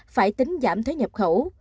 phải tính giảm thuế nhập khẩu